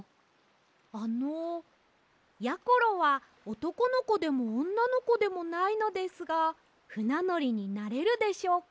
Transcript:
あのやころはおとこのこでもおんなのこでもないのですがふなのりになれるでしょうか？